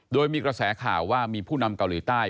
โดยมีกระแสข่าวว่ามีผู้นำเกาหลีใต้